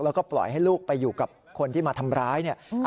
แล้วก็ปล่อยให้ลูกไปอยู่กับคนที่มาทำร้ายเนี่ย